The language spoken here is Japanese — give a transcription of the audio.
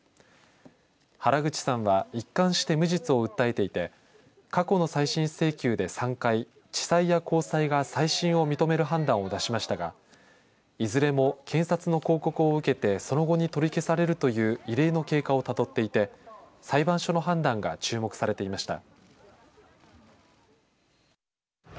原口さんは一貫して無実を訴えていて過去の再審請求で３回地裁や高裁が再審を認める判断を出しましたがいずれも検察の抗告を受けてその後に取り消されるという異例の経過をたどっていて裁判所の判断が注目されていました。